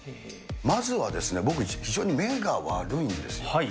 まずはですね、僕、非常に目が悪いんですよ。